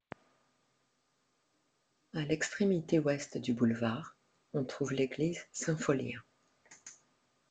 À l'extrémité ouest du boulevard, on trouve l'église Saint-Pholien.